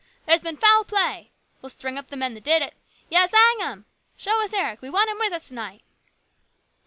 " There's been foul play !"" We'll string up the men that did it !"" Yes, hang 'em !"" Show us Eric. We want him with us to night